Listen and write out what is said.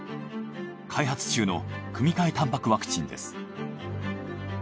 開発中の組換えタンパクワクチンです。